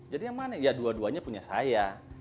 jadi yang mana ya dua duanya punya saya